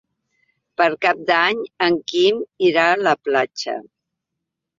Per Cap d'Any en Quim irà a la platja.